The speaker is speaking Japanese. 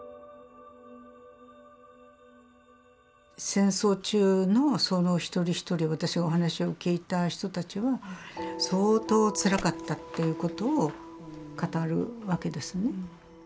戦争中の一人一人私がお話を聞いた人たちは相当つらかったっていうことを語るわけですね。